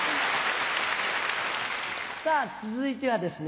さぁ続いてはですね